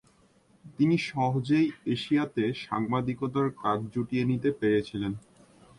তিনি সহজেই এশিয়াতে সাংবাদিকতার কাজ জুটিয়ে নিতে পেরেছিলেন।